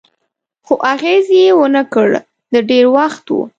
خو اغېز یې و نه کړ، د ډېر وخت و.